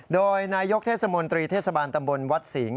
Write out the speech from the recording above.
โดยนายกเทศมนตรีเทศบาลตำบลวัดสิงห